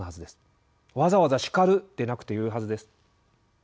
わざわざ「叱る」でなくてよいはずです。